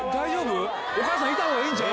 お母さんいた方がいいんちゃう？